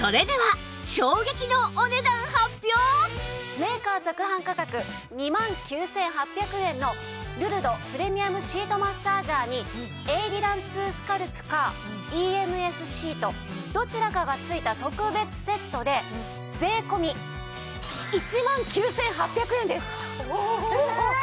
それでは衝撃のメーカー直販価格２万９８００円のルルドプレミアムシートマッサージャーにエイリラン２スカルプか ＥＭＳ シートどちらかがついた特別セットで税込１万９８００円です。ええ！